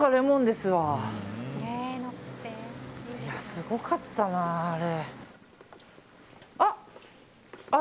すごかったな、あれ。